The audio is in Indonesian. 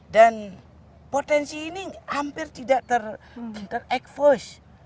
dan potensi ini hampir tidak ter expose